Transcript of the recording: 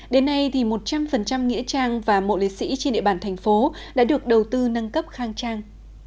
đến nay một trăm linh nghĩa trang và mộ liệt sĩ trên địa bàn thành phố đã được đầu tư nâng cấp khang trang